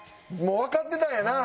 もうわかってたんやな。